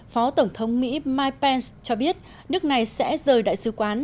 phó tổng thống mỹ mike pence cho biết nước này sẽ rời đại sứ quán